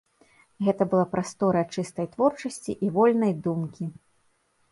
Гэта была прастора чыстай творчасці і вольнай думкі.